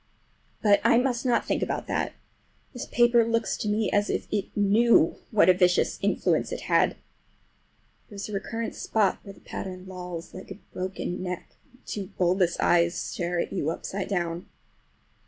But I must not think about that. This paper looks to me as if it knew what a vicious influence it had! There is a recurrent spot where the pattern lolls like a broken neck and two bulbous eyes stare at you upside down.